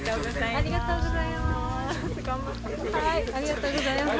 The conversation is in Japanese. ありがとうございます。